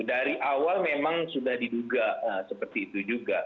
dari awal memang sudah diduga seperti itu juga